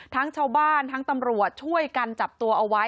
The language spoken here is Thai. ทั้งชาวบ้านทั้งตำรวจช่วยกันจับตัวเอาไว้